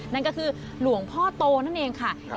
นั่นก็คือหลวงพ่อโตนั่นเองค่ะ